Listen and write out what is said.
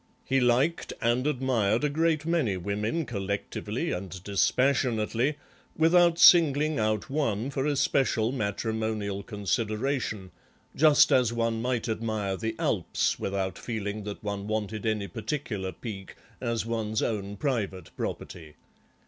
He liked and admired a great many women collectively and dispassionately without singling out one for especial matrimonial consideration, just as one might admire the Alps without feeling that one wanted any particular peak as one's own private property.